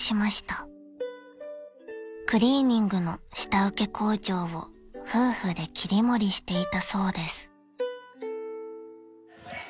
［クリーニングの下請け工場を夫婦で切り盛りしていたそうです］